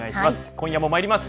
今夜もまいります。